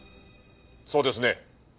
そうですね？